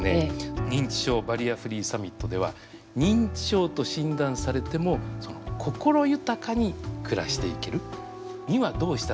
「認知症バリアフリーサミット」では認知症と診断されても心豊かに暮らしていけるにはどうしたらいいのか。